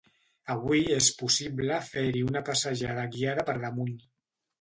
Avui és possible fer-hi una passejada guiada per damunt.